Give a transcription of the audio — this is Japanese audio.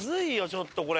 ちょっとこれ。